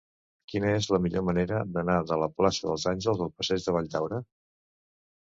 Quina és la millor manera d'anar de la plaça dels Àngels al passeig de Valldaura?